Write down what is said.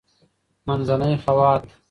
-منځنی خوات: